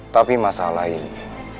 tapi masalah ini